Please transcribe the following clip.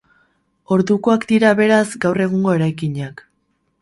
Ordukoak dira beraz gaur egungo eraikinak.